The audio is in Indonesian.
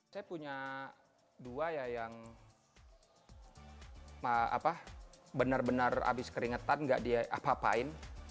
saya punya dua ya yang benar benar habis keringetan nggak diapa apain